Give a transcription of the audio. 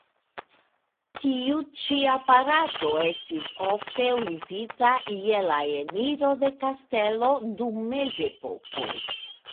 Tiu ĉi aparato estis ofte uzita je la eniro de kastelo dum Mezepoko.